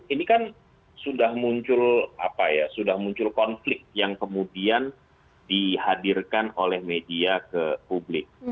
ini kan sudah muncul konflik yang kemudian dihadirkan oleh media ke publik